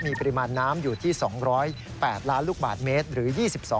มีปริมาณน้ำอยู่ที่๒๐๘ล้านลูกบาทเมตรหรือ๒๒